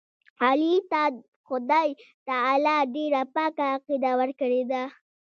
علي ته خدای تعالی ډېره پاکه عقیده ورکړې ده.